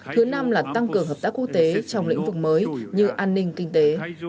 thứ năm là tăng cường hợp tác quốc tế trong lĩnh vực mới như an ninh kinh tế